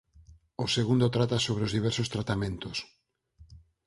O segundo trata sobre os diversos tratamentos.